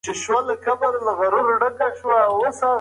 هغه سړي د وېرې له امله د منډېلا سترګو ته نه کتل.